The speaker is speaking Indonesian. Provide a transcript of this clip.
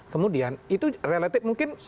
kemudian itu relatif mungkin